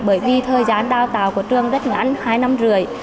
bởi vì thời gian đào tạo của trường rất ngắn hai năm rưỡi